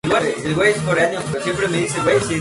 Esto es un caso especial de la fórmula de Stanley.